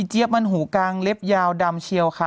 อีเจี๊ยะเป็นหูกลางเล็บยาวดำเชียวค่ะ